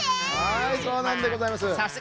はいそうなんでございます。